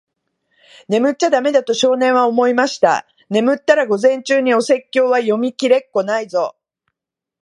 「眠っちゃだめだ。」と、少年は思いました。「眠ったら、午前中にお説教は読みきれっこないぞ。」